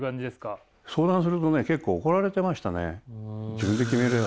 相談するとね結構怒られてましたね。